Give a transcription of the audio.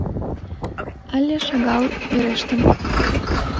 Але шагал верештын...